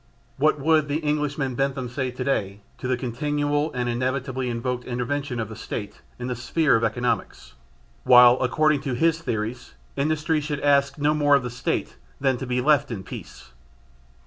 What would the Englishman Bentham say today to the continual and inevitably invoked intervention of the State in the sphere of economics, while, according to his theories, industry should ask no more of the State than to be left in peace?